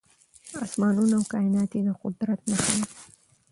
اسمانونه او کائنات يې د قدرت نښه ده .